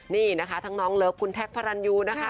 นี่นะคะทั้งน้องเลิฟคุณแท็กพระรันยูนะคะ